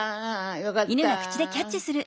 よかった！